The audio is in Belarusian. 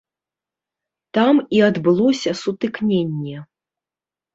Там і адбылося сутыкненне.